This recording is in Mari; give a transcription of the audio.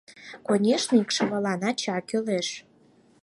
— Конешне, икшывылан ача кӱлеш.